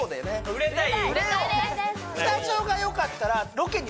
売れたい？